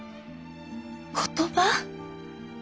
言葉？